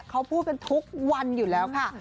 เขาพูดกันทุกวันอยู่แล้วค่ะ